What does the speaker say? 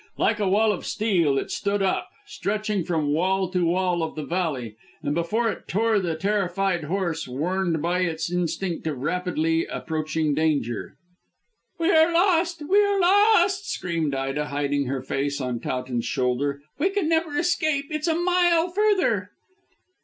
Like a wall of steel it stood up, stretching from wall to wall of the valley, and before it tore the terrified horse, warned by its instinct of rapidly approaching danger. "We are lost! we are lost!" screamed Ida, hiding her face on Towton's shoulder. "We can never escape. It's a mile further."